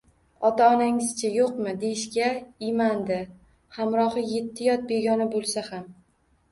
-Ota-onangiz-chi? – “Yo’qmi?” deyishga iymandi hamrohi yetti yot begona bo’lsa ham.